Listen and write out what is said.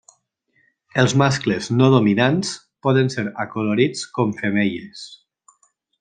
Els mascles no dominants poden ser acolorits com femelles.